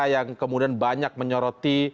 yang kemudian banyak menyoroti